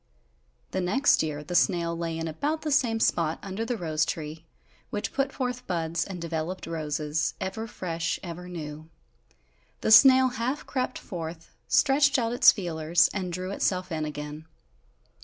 The next year the snail lay in about the same spot under the rose tree, which put forth buds and developed roses, ever fresh, ever new. The snail half crept forth, stretched out its feelers and drew itself in again.